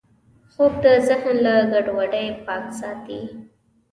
خوب د ذهن له ګډوډۍ پاک ساتي